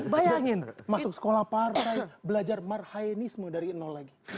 bayangin masuk sekolah partai belajar marhainisme dari nol lagi